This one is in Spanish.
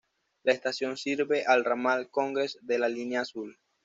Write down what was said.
La estación sirve al ramal Congress de la línea Azul.